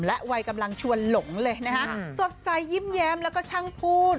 และวัยกำลังชวนหลงเลยนะฮะสดใสยิ้มแย้มแล้วก็ช่างพูด